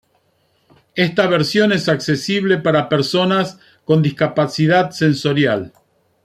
Esta versión es accesible para personas con discapacidad sensorial.